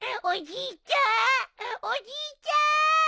おじいちゃん！